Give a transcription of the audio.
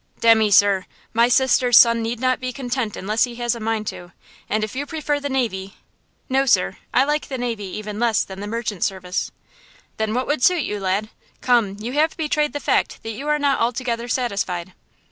"Demmy, sir, my sister's son need not be content unless he has a mind to! And if you prefer the navy–" "No, sir. I like the navy even less than the merchant service." "Then what would suit you, lad? Come, you have betrayed the fact that you are not altogether satisfied."